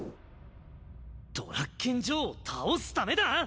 ドラッケン・ジョーを倒すためだぁ？